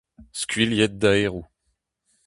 Skuilhit daeroù !